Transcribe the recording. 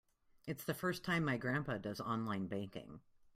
It's the first time my grandpa does online banking.